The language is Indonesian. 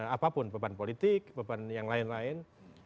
apapun beban politik beban yang lain lain